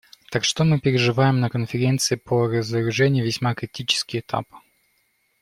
Так что мы переживаем на Конференции по разоружению весьма критический этап.